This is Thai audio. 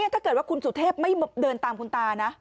ถ้าเกิดว่าคุณสุเทพไม่เดินตามคุณตานะ